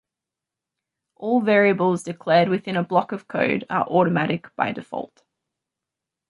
All variables declared within a block of code are automatic by default.